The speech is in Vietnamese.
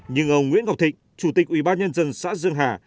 nhưng ông nguyễn ngọc thịnh chủ tịch ubnd xã dương hà